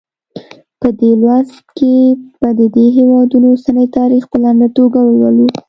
په دې لوست کې به د دې هېواد اوسنی تاریخ په لنډه توګه ولولو.